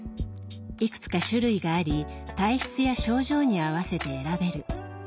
いくつか種類があり体質や症状に合わせて選べる。